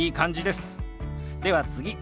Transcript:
では次。